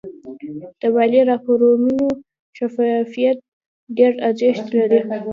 د مالي راپورونو شفافیت ډېر ارزښت لري.